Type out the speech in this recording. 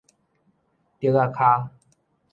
竹子腳